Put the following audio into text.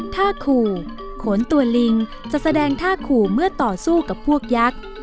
ถ้าขู่โขนตัวลิงจะแสดงท่าขู่เมื่อต่อสู้กับพวกยักษ์